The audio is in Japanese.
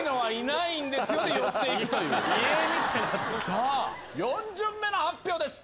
さあ４巡目の発表です。